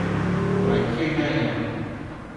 文字內容